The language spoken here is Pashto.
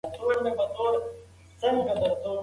د فارابي د نظر له مخې ټولنه يو طبيعي ضرورت دی.